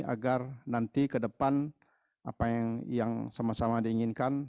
agar nanti ke depan apa yang sama sama diinginkan